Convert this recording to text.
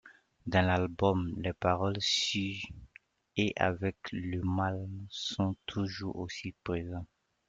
Dans l'album, les paroles sur et avec le mal sont toujours aussi présents.